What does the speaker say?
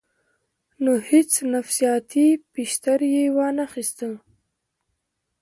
نو هېڅ نفسياتي پرېشر ئې وانۀ خستۀ -